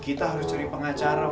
kita harus cari pengacara paman